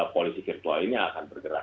polisi virtual ini yang akan bergerak